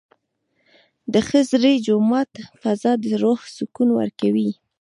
د خضري جومات فضا د روح سکون ورکوي.